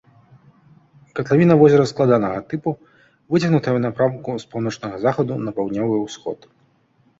Катлавіна возера складанага тыпу, выцягнутая ў напрамку з паўночнага захаду на паўднёвы ўсход.